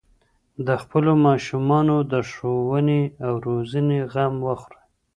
د خپلو ماشومانو د ښوونې او روزنې غم وخورئ.